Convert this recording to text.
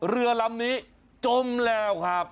เรือลำนี้จมแล้วครับ